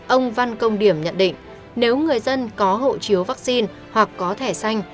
ông văn công điểm nhận định nếu người dân có hộ chiếu vaccine hoặc có thẻ xanh